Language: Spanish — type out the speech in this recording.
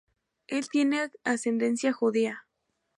Él tiene ascendencia judía.